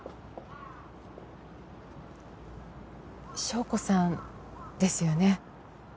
翔子さんですよね？